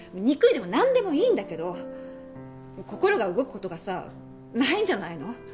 憎いでも何でもいいんだけど心が動くことがさないんじゃないの？